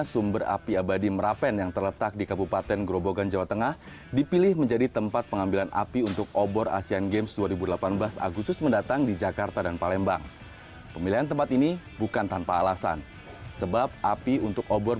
sumber api abadi di merapen